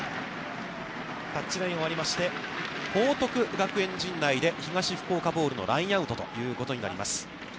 タッチラインを割りまして、報徳学園陣内で東福岡ボールのラインアウトということになります。